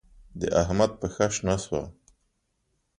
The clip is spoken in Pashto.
د احمد پښه شنه شوه.